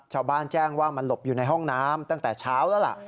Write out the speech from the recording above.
ชาวบ้านแจ้งว่ามันหลบอยู่ในห้องน้ำตั้งแต่เช้าแล้วล่ะ